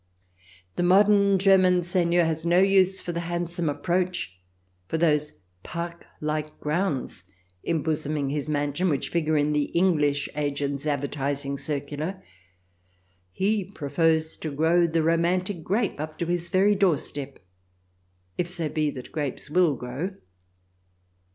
The modern German seigneur has no use for the hand some approach, for those " park like grounds " embosoming his mansion, which figure in the English agent's advertising circular; he prefers to grow the romantic grape up to his very doorstep, if so be that grapes will grow.